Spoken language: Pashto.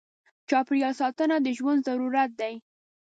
چاپېریال ساتنه د ژوند ضرورت دی.